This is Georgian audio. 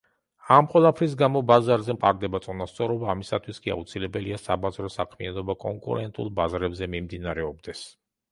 ამ ყველაფრის გამო ბაზარზე მყარდება წონასწორობა, ამისათვის კი აუცილებელია საბაზრო საქმიანობა კონკურენტულ ბაზრებზე მიმდინარეობდეს.